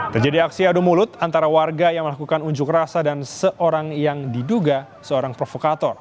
terjadi aksi adu mulut antara warga yang melakukan unjuk rasa dan seorang yang diduga seorang provokator